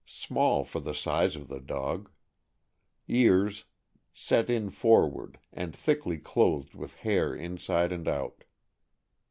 — Small for the size of the dog. Ears. — Set in forward, and thickly clothed with hair inside and out.